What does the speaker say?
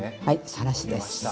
はいさらしです。